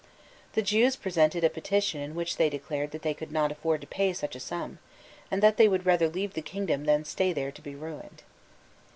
The Jews presented a petition in which they declared that they could not afford to pay such a sum, and that they would rather leave the kingdom than stay there to be ruined.